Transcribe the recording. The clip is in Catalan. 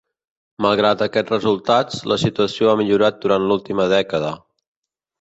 Malgrat aquests resultats, la situació ha millorat durant l'última dècada.